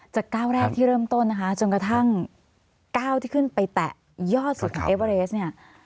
ก้าวแรกที่เริ่มต้นนะคะจนกระทั่งก้าวที่ขึ้นไปแตะยอดสุดของเอเวอเรสเนี่ย